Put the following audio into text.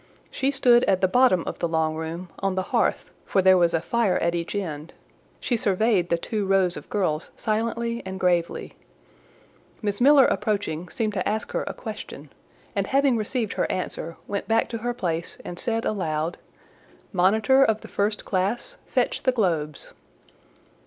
She stood at the bottom of the long room, on the hearth; for there was a fire at each end; she surveyed the two rows of girls silently and gravely. Miss Miller approaching, seemed to ask her a question, and having received her answer, went back to her place, and said aloud— "Monitor of the first class, fetch the globes!"